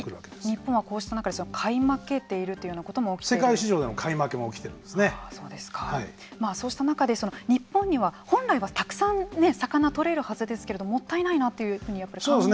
日本はこうした中で買い負けている世界市場ではそうした中で日本には本来はたくさん魚が捕れるはずですけどもったいないなというふうに感じます。